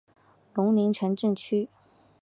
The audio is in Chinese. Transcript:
尤宁城镇区。